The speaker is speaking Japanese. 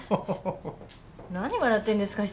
何笑ってんですか？